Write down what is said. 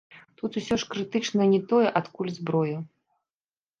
Тут усё ж крытычна не тое, адкуль зброя.